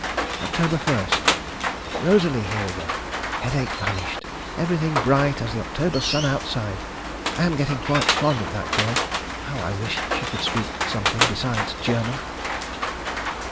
Oct. 1. Rosalie here again. Headache vanished. Everything bright as the October sun outside. I am getting quite fond of that girl. How I wish she could speak something besides German....